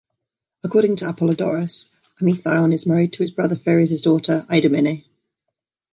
According to Apollodoros, Amythaon is married to his brother Pheres' daughter, Eidomene.